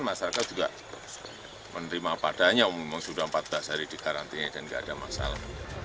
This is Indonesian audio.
masyarakat juga menerima padanya umumnya sudah empat belas hari dikarantin dan nggak ada masalah